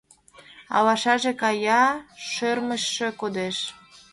Алашаже кая — шӧрмычшӧ кодеш